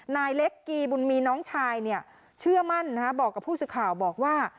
นายเล็กกีบุญมีน้องชายเชื่อมั่นบอกกับผู้สื่อข่าวบอกว่า